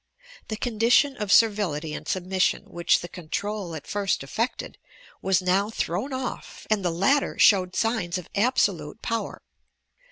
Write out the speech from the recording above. The con dition of servility and submission which the control at first effected, was now thrown off and the latter showed signs of absolute power.